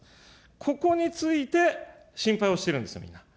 ここについて、心配をしているんですよ。